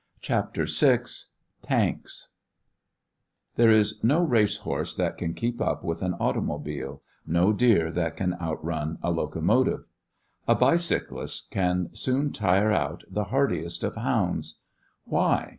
CHAPTER VI TANKS There is no race horse that can keep up with an automobile, no deer that can out run a locomotive. A bicyclist can soon tire out the hardiest of hounds. Why?